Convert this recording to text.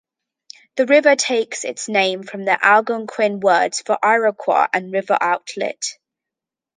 The river takes its name from the Algonquin words for "Iroquois" and "river outlet".